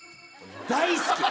大好き！